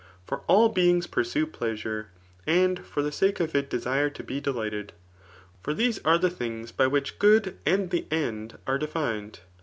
For all beings pursue pleasure, and for the sake of it desire to be delightad. For these are the things by which good and the end are defined.